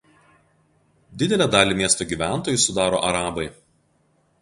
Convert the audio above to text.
Didelę dalį miesto gyventojų sudaro arabai.